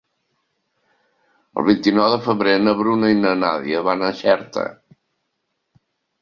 El vint-i-nou de febrer na Bruna i na Nàdia van a Xerta.